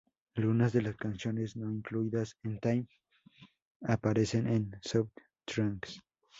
Algunas de las canciones no incluidas en Time, aparecen en "Southern Tracks".